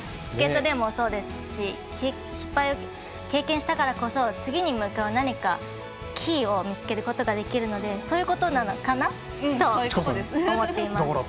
スケートでもそうですし失敗を経験したからこそ次に向かうキーを見つけることができるのでそういうことかなと思っています。